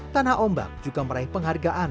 tanah ombak juga meraih penghargaan